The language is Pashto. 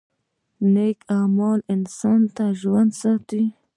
نیک عمل انسان څنګه ژوندی ساتي؟